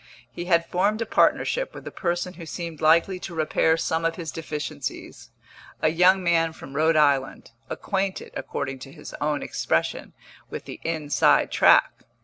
He had formed a partnership with a person who seemed likely to repair some of his deficiencies a young man from Rhode Island, acquainted, according to his own expression, with the inside track.